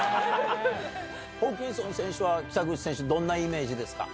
ホーキンソン選手は、北口選手、どんなイメージですか？